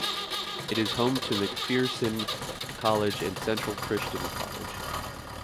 It is home to McPherson College and Central Christian College.